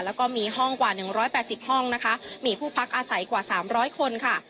แล้วก็มีห้องกว่าหนึ่งร้อยแปดสิบห้องนะคะมีผู้พักอาศัยกว่าสามร้อยคนค่ะ